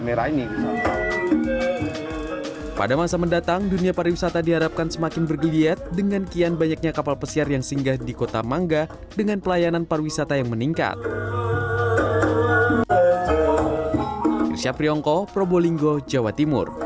pada masa mendatang dunia pariwisata diharapkan semakin bergeliat dengan kian banyaknya kapal pesiar yang singgah di kota mangga dengan pelayanan pariwisata yang meningkat